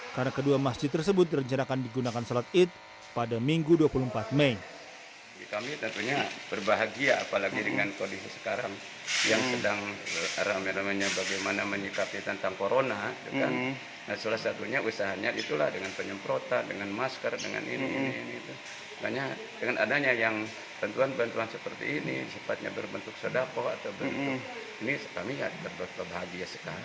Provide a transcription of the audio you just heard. karena kedua masjid tersebut direncanakan digunakan sholat id pada minggu dua puluh empat mei